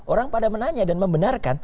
orang pada menanya dan membenarkan